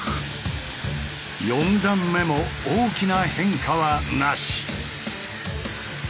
４段目も大きな変化はなし。